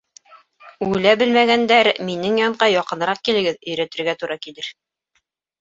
Үлә белмәгәндәр, минең янға яҡыныраҡ килегеҙ, өйрәтергә тура килер.